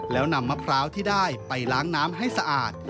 แล้วนำมะพร้าวที่ได้ไปล้างน้ำให้สะอาด